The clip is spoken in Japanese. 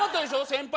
先輩。